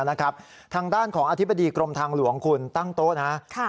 ทางด้านของอธิบดีกรมทางหลวงคุณตั้งโต๊ะนะครับ